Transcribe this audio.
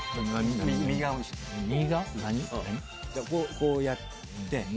こうやって。